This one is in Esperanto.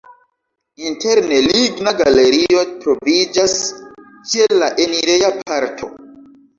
Interne ligna galerio troviĝas ĉe la enireja parto.